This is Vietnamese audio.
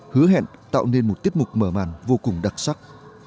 hứa hẹn tạo nên một tiết mục mở màn vô cùng đặc sắc